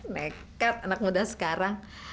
nekat anak muda sekarang